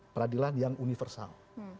peradilan yang universal